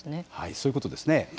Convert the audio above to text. そういうことですね。